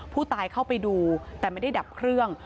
เข้าไปดูแต่ไม่ได้ดับเครื่อง